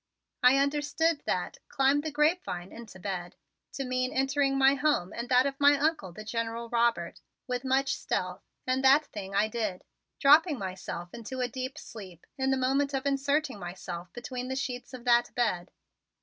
I understood that "climb the grapevine into bed" to mean entering my home and that of my Uncle, the General Robert, with much stealth and that thing I did, dropping into a deep sleep in the moment of inserting myself between the sheets of that bed.